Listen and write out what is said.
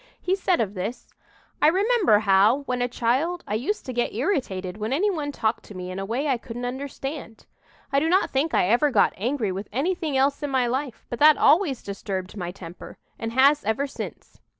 He said of this: "I remember how, when a child, I used to get irritated when any one talked to me in a way I couldn't understand. "I do not think I ever got angry with anything else in my life; but that always disturbed my temper and has ever since.